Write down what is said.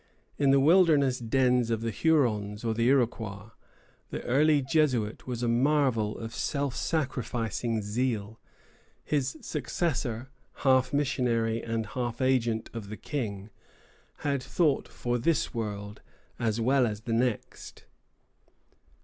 In the wilderness dens of the Hurons or the Iroquois, the early Jesuit was a marvel of self sacrificing zeal; his successor, half missionary and half agent of the King, had thought for this world as well as the next.